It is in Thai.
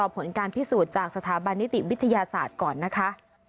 ผลการพิสูจน์จากสถาบันนิติวิทยาศาสตร์ก่อนนะคะ